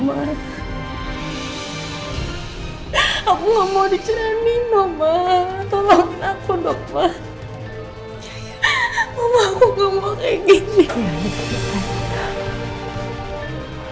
aku mau diceritain om ah tolong aku dokter mau aku ngomong kayak gini